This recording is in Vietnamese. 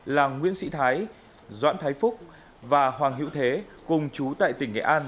là nguyễn sĩ thái doãn thái phúc và hoàng hữu thế cùng chú tại tỉnh nghệ an